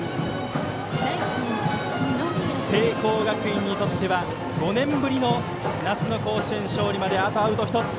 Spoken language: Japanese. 聖光学院にとっては５年ぶりの夏の甲子園勝利まであとアウト１つ。